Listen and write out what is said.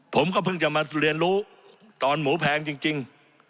ผมก็เพิ่งจะมาเรียนรู้ตอนหมูแพงจริง